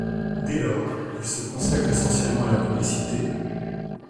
Dès lors, il se consacre essentiellement à la publicité.